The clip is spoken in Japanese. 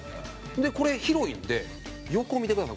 これ、広いんで横、見てください。